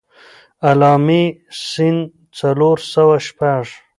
علّامي ص څلور سوه شپږ.